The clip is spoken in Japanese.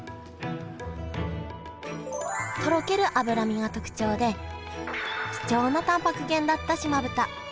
とろける脂身が特徴で貴重なタンパク源だった島豚。